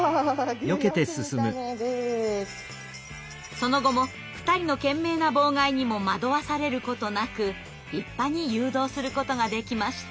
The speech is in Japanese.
その後も２人の懸命な妨害にも惑わされることなく立派に誘導することができました。